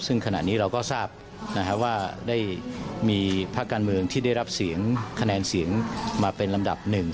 ซึ่งขณะนี้เราก็ทราบว่าได้มีภาคการเมืองที่ได้รับเสียงคะแนนเสียงมาเป็นลำดับหนึ่ง